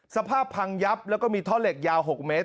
สภาพพังยับแล้วก็มีท่อเหล็กยาว๖เมตร